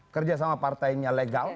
kerjasama partainya legal